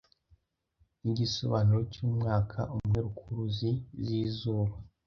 nigisobanuro cyumwaka umwerukuruzi zizuba